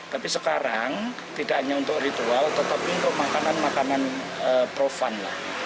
tapi sekarang tidak hanya untuk ritual tetapi untuk makanan makanan profan lah